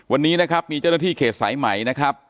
วันนี้นะครับมีเจ้าหน้าที่เขตสายใหม่นะครับ